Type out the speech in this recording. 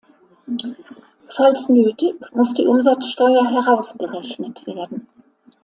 Falls nötig, muss die Umsatzsteuer herausgerechnet werden.